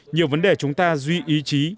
nhiều vấn đề chúng ta duy ý chí